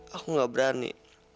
aku gak berani